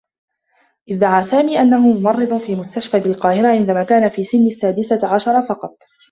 ادّعى سامي أنّه ممرّض في مستشفى بالقاهرة عندما كان في سنّ السّادسة عشر فقط.